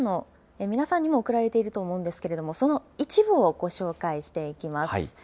皆さんにも送られていると思うんですけれども、その一部をご紹介していきます。